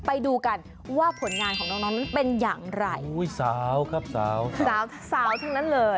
ไปดูกันว่าผลงานของน้องเป็นอย่างไรสาวครับสาวสาวทั้งนั้นเลย